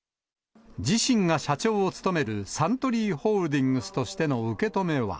自身が社長を務めるサントリーホールディングスとしての受け止めは。